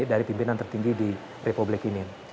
dari pimpinan tertinggi di republik ini